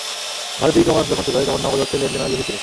ভারতেও ই-কমার্স যখন শুরু হয়, তখন নগদ অর্থের লেনদেন অনেক বেশি ছিল।